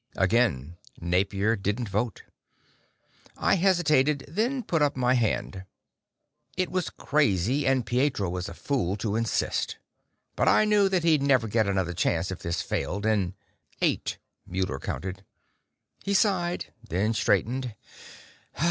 Again, Napier didn't vote. I hesitated, then put my hand up. It was crazy, and Pietro was a fool to insist. But I knew that he'd never get another chance if this failed, and.... "Eight," Muller counted. He sighed, then straightened.